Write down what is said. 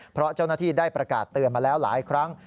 เพราะเจ้าหน้าที่ได้ประกาศเตือนมาแล้วหลายครั้ง